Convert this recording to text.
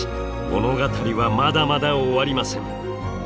物語はまだまだ終わりません！